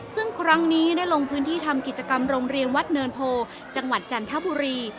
ซึ่งครั้งนี้ได้ลงพื้นที่ทำกิจกรรมโรงเรียนวัดเนินโพจังหวัดจันทบุรี